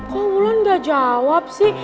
kok ulan gak jawab sih